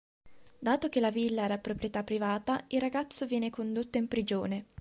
Dato che la villa era proprietà privata, il ragazzo viene condotto in prigione.